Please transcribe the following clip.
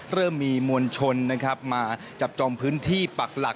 เริ่มมีมวลชนมาจับจอมพื้นที่ปักหลัก